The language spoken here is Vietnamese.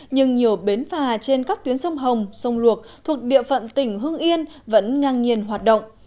nhưng nhiều bến phà trên các tuyến sông hồng sông luộc thuộc địa phận tỉnh hưng yên vẫn ngang nhiên hoạt động